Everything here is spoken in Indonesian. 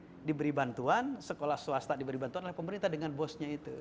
kalau diberi bantuan sekolah swasta diberi bantuan oleh pemerintah dengan bosnya itu